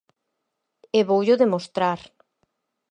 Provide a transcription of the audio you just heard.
E voullo demostrar.